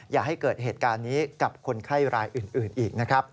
อย่าให้เกิดเหตุการณ์นี้กับคนไข้รายอื่นอีกนะครับ